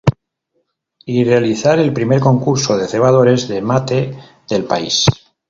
Y realizar el primer "Concurso de Cebadores de Mate del País".